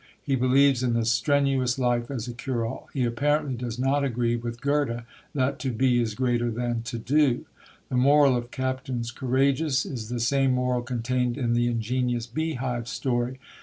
He believes in the strenuous life as a cure all. He apparently does not agree with Goethe that To Be is greater than To Do. The moral of Captains Courageous is the same moral contained in the ingenious bee hive story.